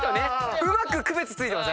うまく区別ついてません？